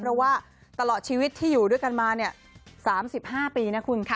เพราะว่าตลอดชีวิตที่อยู่ด้วยกันมา๓๕ปีนะคุณค่ะ